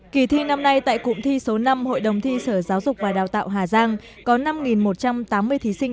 kỳ thi năm nay tại cụm thi số năm hội đồng thi sở giáo dục và đào tạo hà giang có năm một trăm tám mươi thí sinh